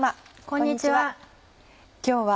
こんにちは。